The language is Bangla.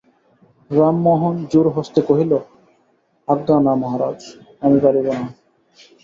রামমোহন জোড়হস্তে কহিল, আজ্ঞা না মহারাজ, আমি পারিব না।